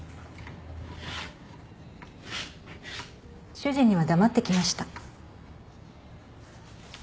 主人には黙って来ました。